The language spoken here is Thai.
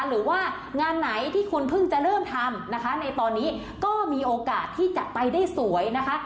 หรือว่างานไหนที่คุณเพิ่งจะเริ่มทำนะคะในตอนนี้ก็มีโอกาสที่จะไปได้สวยนะคะ